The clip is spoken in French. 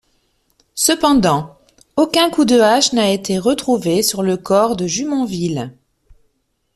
Cependant, aucun coup de hache n'a été retrouvé sur le corps de Jumonville.